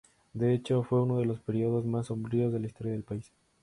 De hecho, fue uno de los períodos más sombríos de la historia del país.